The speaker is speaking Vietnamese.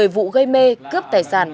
một mươi vụ gây mê cướp tài sản